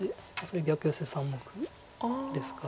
逆ヨセ３目ですから。